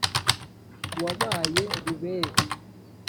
Wabaye Rubebe